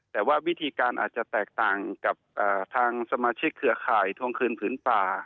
แต่ว่าวิธีการอาจจะแตกต่างกับทางสมาชิกเครือข่ายทวงคืนผืนป่า